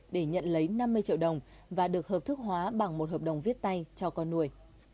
để nhận lấy năm mươi triệu đồng và được hợp thức hóa bằng một hợp đồng viết tay cho con nuôi